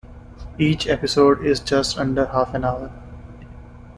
Each episode is just under half an hour.